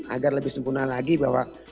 agar lebih sempurna lagi bahwa